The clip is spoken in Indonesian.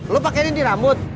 lo pakai ini di rambut